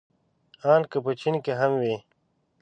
ان که په چين کې هم وي.